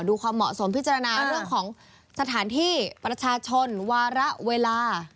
ความเหมาะสมพิจารณาเรื่องของสถานที่ประชาชนวาระเวลา